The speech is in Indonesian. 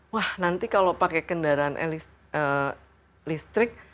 wah nanti kalau pakai kendaraan listrik